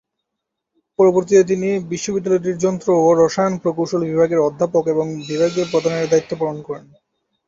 পরবর্তীতে তিনি বিশ্ববিদ্যালয়টির যন্ত্র ও রসায়ন প্রকৌশল বিভাগের অধ্যাপক এবং বিভাগীয় প্রধানের দায়িত্ব পালন করেন।